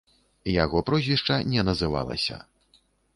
Яго прозвішча не называлася.